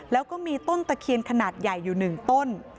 แล้วก็มีต้นตะเคียนขนาดใหญ่อยู่๑ต้น